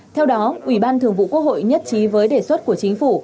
theo đó ủy ban thường vụ quốc hội nhất trí với đề xuất của chính phủ